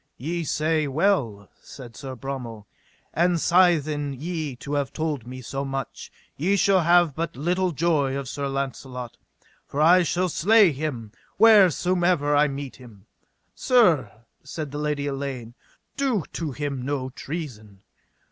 Ye say well, said Sir Bromel, and sithen ye have told me so much, ye shall have but little joy of Sir Launcelot, for I shall slay him wheresomever I meet him. Sir, said the Lady Elaine, do to him no treason.